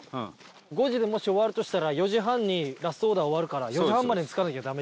５時でもし終わるとしたら４時半にラストオーダー終わるから４時半までに着かなきゃダメ。